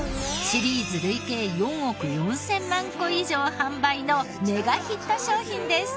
シリーズ累計４億４０００万個以上販売のメガヒット商品です。